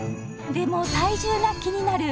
でも体重が気になる